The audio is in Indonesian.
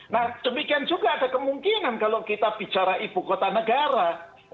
nah demikian juga ada kemungkinan kalau kita bicara ibu kota negara